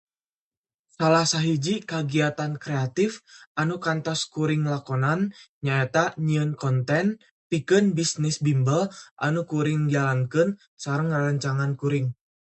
Salah sahiji kagiatan kreatif anu kantos kuring lakonan nyaeta nyieun konten pikeun bisnis bimbel anu kuring jalankeun sareng rerencangan kuring.